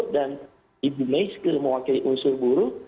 dan ibu maisker mewakili unsur buruh